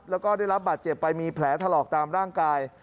แล้วก็ได้รับบาดเจ็บไปมีแผลถลอกตามร่างกาย